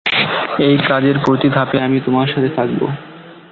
এই কাজের প্রতি ধাপে আমি তোমার সাথে থাকব।